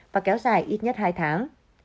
và kéo dài ít nhất hai tháng